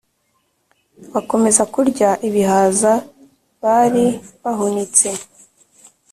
Bakomeza kurya ibihaza bari bahunitse